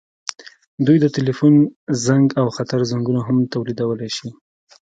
دوی د ټیلیفون زنګ او خطر زنګونه هم تولیدولی شي.